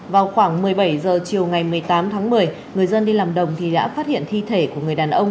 vào khoảng một mươi bảy h chiều ngày một mươi tám tháng một mươi người dân đi làm đồng thì đã phát hiện thi thể của người đàn ông